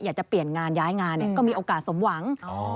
อยากจะเปลี่ยนงานย้ายงานก็มีโอกาสสมหวัง